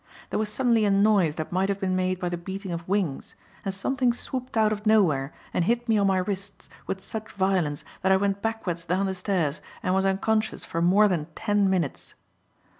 There was suddenly a noise that might have been made by the beating of wings and something swooped out of nowhere and hit me on my wrists with such violence that I went backwards down the stairs and was unconscious for more than ten minutes.